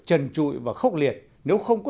trần trụi và khốc liệt nếu không có